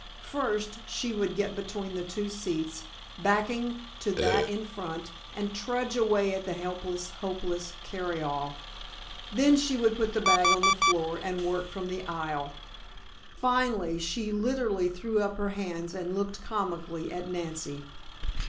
First, she would get between the two seats, backing to that in front, and trudge away at the helpless, hopeless carry all. Then, she would put the bag on the floor and work from the aisle. Finally, she literally threw up her hands and looked comically at Nancy.